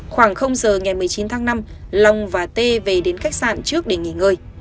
khoảng giờ ngày một mươi chín tháng năm long và t về đến khách sạn trước để nghỉ ngơi